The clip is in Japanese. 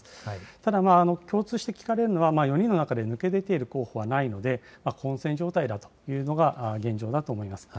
ただ、共通して聞かれるのは、４人の中で抜け出ている候補はないので、混戦状態だというのが現状だと思います。